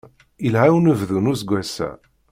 Ilha unebdu n useggas-a.